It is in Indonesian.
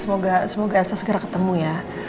semoga elsa segera ketemu ya